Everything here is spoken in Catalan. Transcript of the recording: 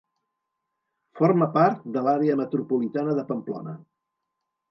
Forma part de l'àrea metropolitana de Pamplona.